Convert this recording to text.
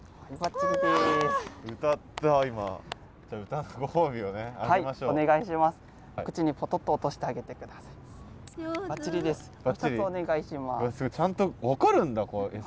ちゃんと分かるんだこう餌。